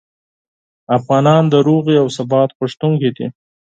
افغانان د سولې او ثبات غوښتونکي دي.